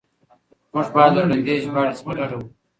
موږ بايد له ړندې ژباړې څخه ډډه وکړو.